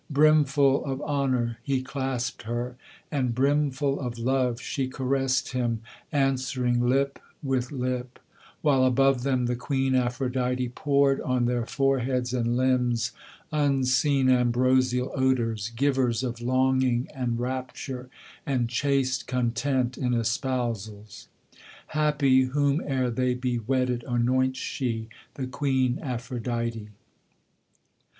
Brimful of honour he clasped her, and brimful of love she caressed him, Answering lip with lip; while above them the queen Aphrodite Poured on their foreheads and limbs, unseen, ambrosial odours, Givers of longing, and rapture, and chaste content in espousals. Happy whom ere they be wedded anoints she, the Queen Aphrodite!